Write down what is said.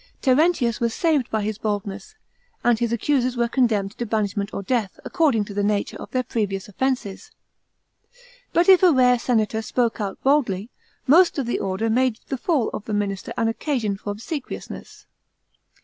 Terentius was saved by his boldness, and his accusers were condemned to banishment or death, according to the nature of their previous offences. But if a rare senator spoke out boldly, most of the order made the fall of the minister an occasion for ob equiousness.